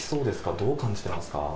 どう感じてますか？